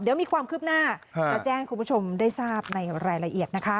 เดี๋ยวมีความคืบหน้ามาแจ้งให้คุณผู้ชมได้ทราบในรายละเอียดนะคะ